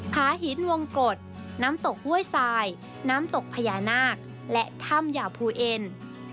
ผาหินวงกรดน้ำตกห้วยทรายน้ำตกพญานาคและถ้ำหยาภูเอ็น